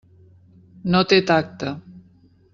No té tacte.